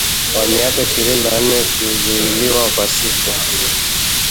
wa miaka ishirini na nane kuzuiliwa kwa siku